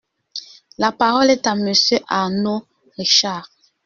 La parole est à Monsieur Arnaud Richard.